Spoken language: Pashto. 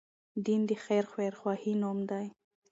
دين د خير خواهي نوم دی